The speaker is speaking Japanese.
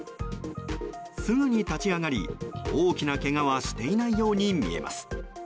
すぐに立ち上がり大きなけがはしていないように見えます。